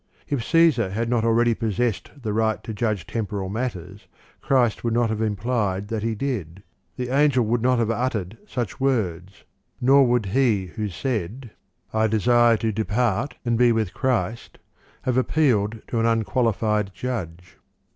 "' If Caesar had not already possessed the right to judge temporal matters, Christ would not have implied that he did, the angel would not have uttered such words, nor would he who said, " I desire to depart and be with Christ,"' have appealed to an unqualified judge.